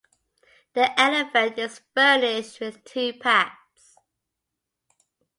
The elephant is furnished with two pads